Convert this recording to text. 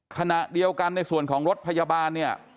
ขณะเดียวกันในส่วนของรถพยาบาลเนี่ย